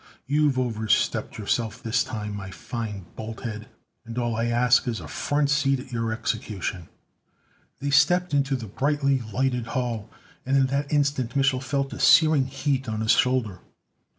You've overstepped yourself this time, my fine bolthead, and all I ask is a front seat at your execution!" They stepped into the brightly lighted hall, and in that instant Mich'l felt a searing heat on his shoulder.